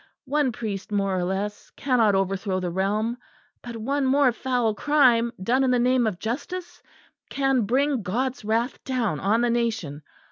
One priest more or less cannot overthrow the realm; but one more foul crime done in the name of justice can bring God's wrath down on the nation.